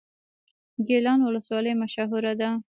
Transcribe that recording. ګیلان ولسوالۍ مشهوره ده؟